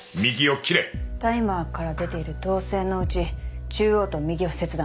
タイマーから出ている導線のうち中央と右を切断。